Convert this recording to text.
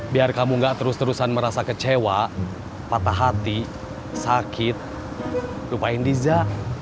biar kamu gak terus terusan merasa kecewa patah hati sakit lupain liza